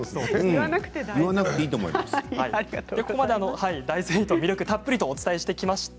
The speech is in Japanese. ここまで大豆ミートの魅力をたっぷりとお伝えしてきました。